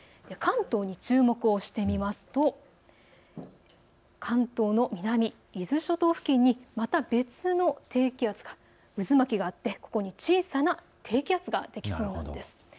関東に注目をしてみますと関東の南、伊豆諸島付近にまた別の低気圧が渦巻きがあって、ここに小さな低気圧ができそうなんです。